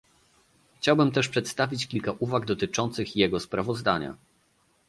Chciałbym też przedstawić kilka uwag dotyczących jego sprawozdania